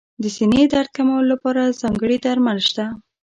د سینې درد کمولو لپاره ځانګړي درمل شته.